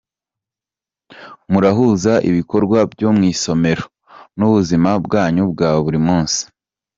Murahuza ibikorwa byo mu isomero n’ubuzima bwanyu bwa buri munsi.